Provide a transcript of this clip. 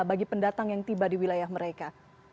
bagi pendatang yang tiba di wilayah mereka